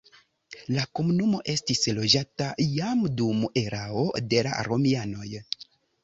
La komunumo estis loĝata jam dum erao de la romianoj.